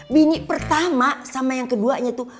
bini pertama sama yang keduanya tuh